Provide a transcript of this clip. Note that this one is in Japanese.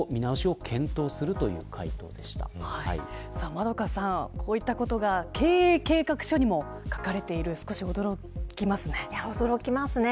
円香さん、こういったことが経営計画書にも書かれている少し驚きますね。